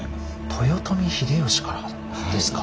豊臣秀吉からですか！